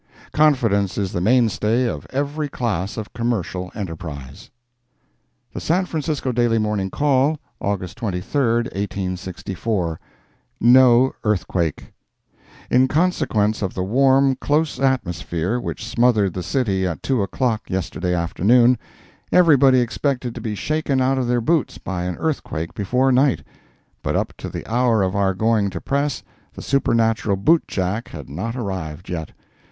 Confidence is the mainstay of every class of commercial enterprise. The San Francisco Daily Morning Call, August 23, 1864 NO EARTHQUAKE In consequence of the warm, close atmosphere which smothered the city at two o'clock yesterday afternoon, everybody expected to be shaken out of their boots by an earthquake before night, but up to the hour of our going to press the supernatural bootjack had not arrived yet.